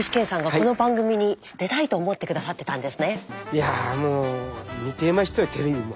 いやもう見てましたよテレビも。